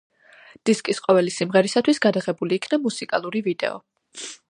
დისკის ყოველი სიმღერისათვის გადაღებული იქნა მუსიკალური ვიდეო.